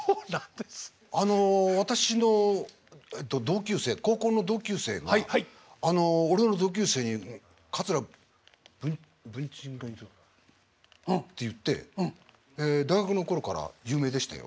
あの私の同級生高校の同級生が「俺の同級生に桂文珍がいる」って言って大学の頃から有名でしたよ